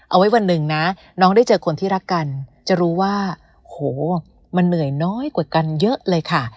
เอาไว้วันหนึ่งนะน้องได้เจอคนที่รักกันจะรู้ว่าโหมันเหนื่อยน้อยกว่ากันเยอะเลยค่ะ